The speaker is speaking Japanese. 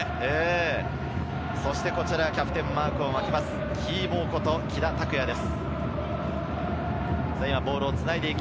キャプテンマークを巻きます、キー坊こと喜田拓也です。